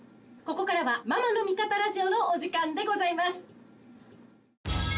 ここからは『ママの味方ラジオ』のお時間でございます。